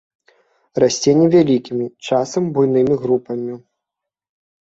Расце невялікімі, часам буйнымі групамі.